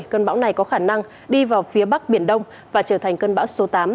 cơn bão này có khả năng đi vào phía bắc biển đông và trở thành cơn bão số tám